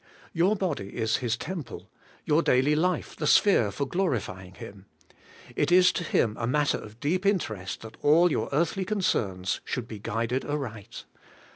Your body is His temple, your daily life the AS YOUR WISDOM. 63 sphere for glorifying Him : it is to Him a matter of deep interest that all your earthly concerns should be guided aright.